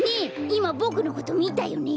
いまボクのことみたよね？